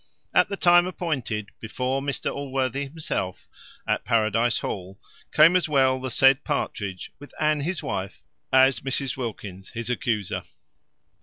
At the time appointed, before Mr Allworthy himself, at Paradise hall, came as well the said Partridge, with Anne, his wife, as Mrs Wilkins his accuser.